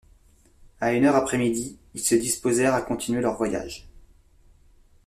À une heure après midi, ils se disposèrent à continuer leur voyage.